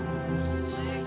aku boleh pinjam uang gak